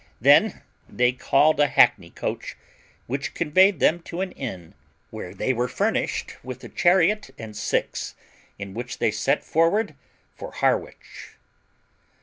Then they called a hackney coach, which conveyed them to an inn, where they were furnished with a chariot and six, in which they set forward for Harwich.